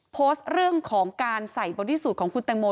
โพสต์เรื่องของการใส่บริสุทธิ์ของคุณแตงโม